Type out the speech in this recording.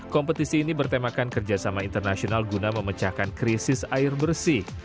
kompetisi ini bertemakan kerjasama internasional guna memecahkan krisis air bersih